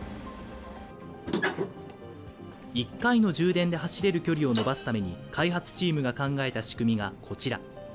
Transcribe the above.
１回の充電で走れる距離を延ばすために開発チームが考えた仕組みがこちら。